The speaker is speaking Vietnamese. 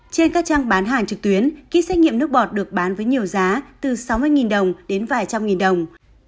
trên các trang bán hàng trực tuyến kýt xét nghiệm nước bọt được bán với nhiều giá từ sáu mươi đồng đến vài trăm nghìn đồng